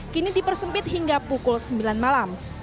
kini dipersempit hingga pukul sembilan malam